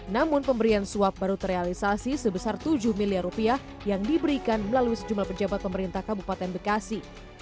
namun pemberian suap baru terrealisasi sebesar tujuh miliar rupiah yang diberikan melalui sejumlah pejabat pemerintah kabupaten bekasi